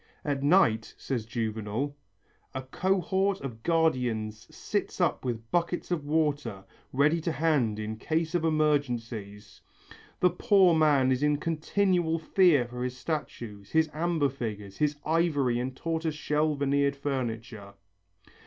"At night," says Juvenal, "a cohort of guardians sits up with buckets of water ready to hand in case of emergencies; the poor man is in continual fear for his statues, his amber figures, his ivory and tortoise shell veneered furniture."